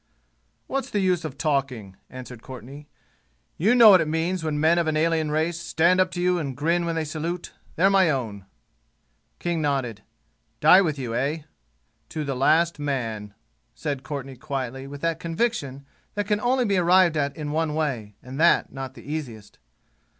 "What's the use of talking?" answered Courtenay. "You know what it means when men of an alien race stand up to you and grin when they salute. They're my own." King nodded. "Die with you, eh?" "To the last man," said Courtenay quietly with that conviction that can only be arrived at in one way, and that not the easiest.